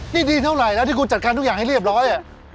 นี่ดีเท่าไหร่แล้วที่คุณจัดการทุกอย่างให้เรียบร้อย